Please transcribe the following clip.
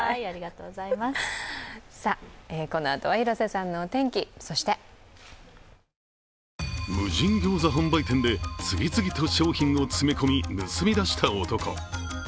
このあとは広瀬さんのお天気、そして無人ギョーザ販売店で次々と商品を詰め込み盗み出した男。